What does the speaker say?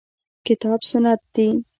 کتاب سنت دي.